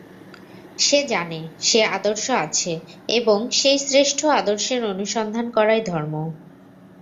সে জানে, সে-আদর্শ আছে এবং সেই শ্রেষ্ঠ আদর্শের অনুসন্ধান করাই ধর্ম।